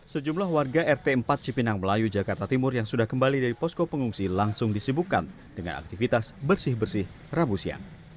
sejumlah warga rt empat cipinang melayu jakarta timur yang sudah kembali dari posko pengungsi langsung disibukkan dengan aktivitas bersih bersih rabu siang